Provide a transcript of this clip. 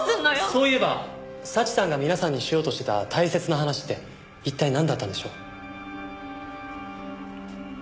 そういえば早智さんが皆さんにしようとしてた大切な話って一体なんだったんでしょう？